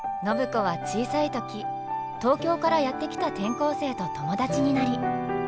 暢子は小さい時東京からやって来た転校生と友達になり。